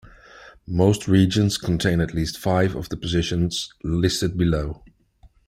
Most regions contain at least five of the positions listed below.